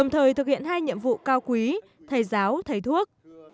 thầy thực hiện hai nhiệm vụ cao quý thầy giáo thầy thuốc